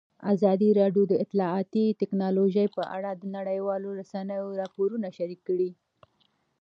ازادي راډیو د اطلاعاتی تکنالوژي په اړه د نړیوالو رسنیو راپورونه شریک کړي.